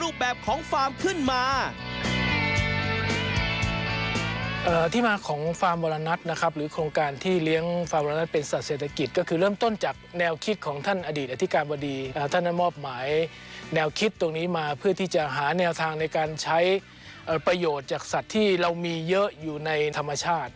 เป็นประโยชน์จากสัตว์ที่เรามีเยอะอยู่ในธรรมชาติ